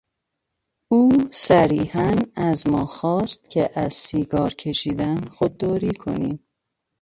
او صریحا از ما خواست که از سیگار کشیدن خودداری کنیم.